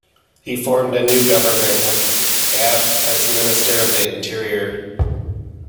He formed a new government, with Giap as Minister of the Interior.